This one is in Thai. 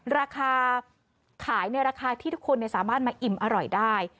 ราคาขายในราคาที่ทุกคนสามารถมาอิ่มอร่อยได้